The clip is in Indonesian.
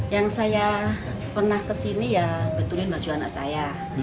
yang saya pernah kesini ya betulin baju anak saya